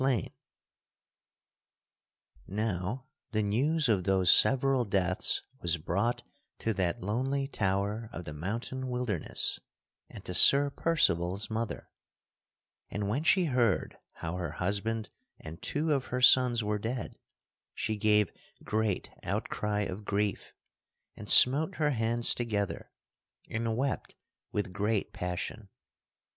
[Sidenote: Percival's mother grieveth for the death of her dear ones] Now the news of those several deaths was brought to that lonely tower of the mountain wilderness and to Sir Percival's mother; and when she heard how her husband and two of her sons were dead she gave great outcry of grief, and smote her hands together and wept with great passion.